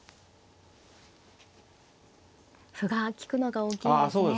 歩が利くのが大きいですね。